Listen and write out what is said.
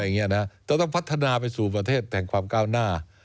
จะต้องพัฒนาไปสู่ประเทศแห่งความก้าวหน้า